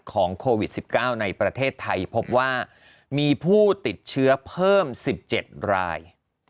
โควิด๑๙ในประเทศไทยพบว่ามีผู้ติดเชื้อเพิ่ม๑๗ราย